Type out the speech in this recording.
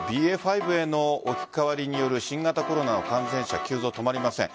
ＢＡ．５への置き換わりによる新型コロナの感染者急増が止まりません。